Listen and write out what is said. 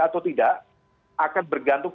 atau tidak akan bergantung